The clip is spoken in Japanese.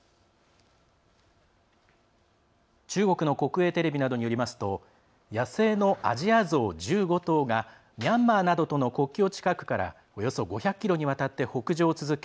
中国の国営テレビなどによりますと野生のアジアゾウ１５頭がミャンマーなどとの国境近くからおよそ５００ｋｍにわたって北上を続け